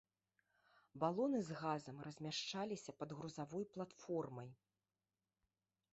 Балоны з газам размяшчаліся пад грузавой платформай.